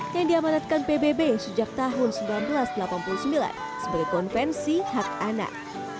yang diamanatkan pbb sejak tahun seribu sembilan ratus delapan puluh sembilan sebagai konvensi hak anak